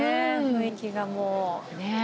雰囲気がもうねえ